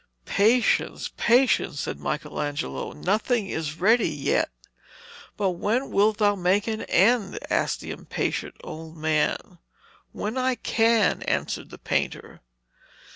'Patience, patience,' said Michelangelo. 'Nothing is ready yet.' 'But when wilt thou make an end?' asked the impatient old man. 'When I can,' answered the painter.